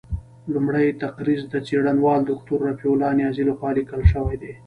لومړۍ تقریض د څېړنوال دوکتور رفیع الله نیازي له خوا لیکل شوی دی.